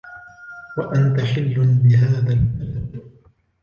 وأنت حل بهذا البلد